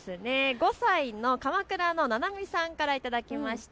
５歳の鎌倉のななみさんから頂きました。